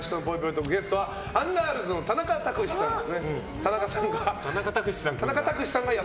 トークゲストはアンガールズの田中卓志さんです。